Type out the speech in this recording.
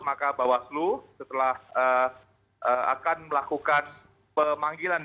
maka bawaslu setelah akan melakukan pemanggilan